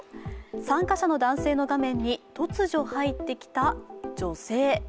参加者の男性の画面に突如入ってきた女性。